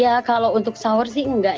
ya kalau untuk sahur berbuka seperti itu